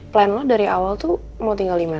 plan lo dari awal tuh mau tinggal lima